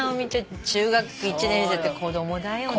中学１年生って子供だよね。